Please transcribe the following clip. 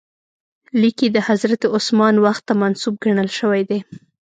لیک یې د حضرت عثمان وخت ته منسوب ګڼل شوی دی.